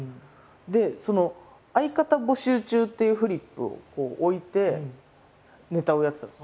で「相方募集中」っていうフリップを置いてネタをやってたんですね。